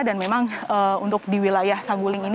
memang untuk di wilayah saguling ini